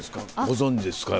ご存じですか？